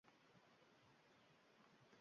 Gʻinshidim oʻtkan-ketganga